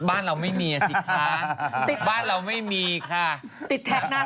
บ้านเราไม่มีอ่ะสิคะบ้านเราไม่มีค่ะ